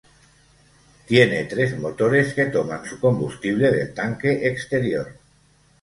Tiene tres motores que toman su combustible del tanque exterior.